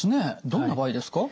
どんな場合ですか？